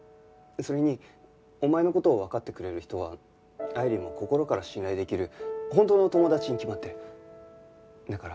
それにお前の事をわかってくれる人は愛理も心から信頼できる本当の友達に決まってる。